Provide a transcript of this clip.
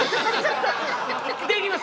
できます！